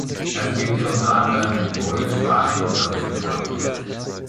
Er spielte unter anderem in Polen, Spanien und auf Zypern.